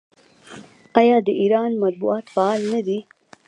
آیا د ایران مطبوعات فعال نه دي؟